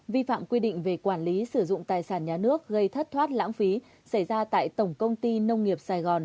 vi phạm quy định về quản lý sử dụng tài sản nhà nước gây thất thoát lãng phí xảy ra tại tổng công ty nông nghiệp sài gòn